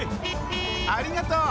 ありがとう！